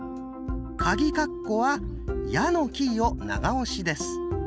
カギカッコは「や」のキーを長押しです。